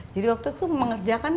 jadi waktu itu mengerjakan